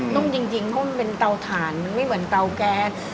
นุ่มจริงเพราะมันเป็นเตาถ่านมันไม่เหมือนเตาแก๊ส